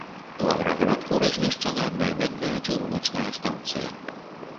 У аграгарадку размешчана аднайменная чыгуначная станцыя.